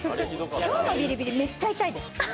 今日もビリビリめっちゃ痛いです。